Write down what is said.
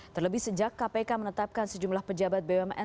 terlebih sejak kpk menetapkan sejumlah pejabat bumn